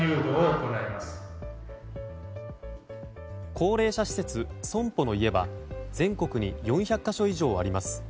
高齢者施設そんぽの家は全国に４００か所以上あります。